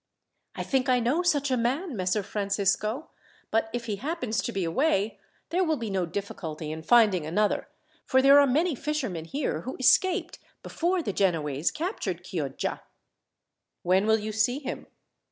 "I think I know such a man, Messer Francisco; but if he happens to be away, there will be no difficulty in finding another, for there are many fishermen here who escaped before the Genoese captured Chioggia." "When will you see him?"